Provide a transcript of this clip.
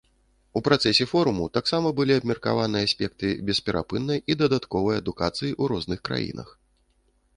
У працэсе форуму таксама былі абмеркаваны аспекты бесперапыннай і дадатковай адукацыі ў розных краінах.